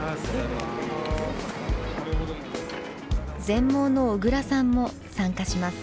全盲の小椋さんも参加します。